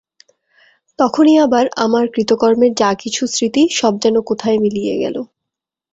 তখনই আবার আমার কৃতকর্মের যা কিছু স্মৃতি সব যেন কোথায় মিলিয়ে গেল।